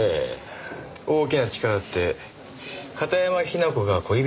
大きな力って片山雛子が恋人を密告した？